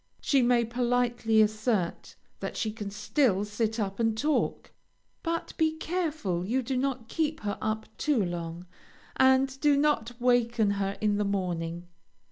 She may politely assert that she can still sit up and talk, but be careful you do not keep her up too long; and do not waken her in the morning.